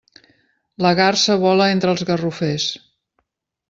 La garsa vola entre els garrofers.